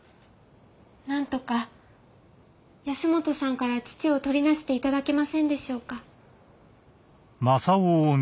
なんとか保本さんから父をとりなして頂けませんでしょうか？